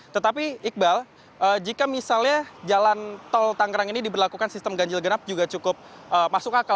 tetapi iqbal jika misalnya jalan tol tangerang ini diberlakukan sistem ganjil genap juga cukup masuk akal